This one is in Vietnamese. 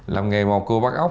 làm nghề mò cua bắt ốc